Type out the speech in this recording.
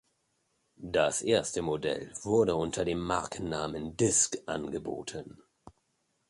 Das erste Modell wurde unter dem Markennamen Disk angeboten.